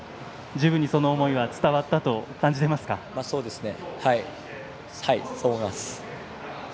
十分にその思いは伝わったと感じていますか？